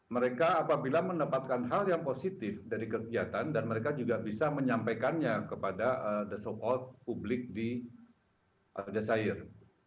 mereka apabila mendapatkan hal yang positif dari kegiatan dan mereka juga bisa menyampaikannya kepada the soft out publik di al jazero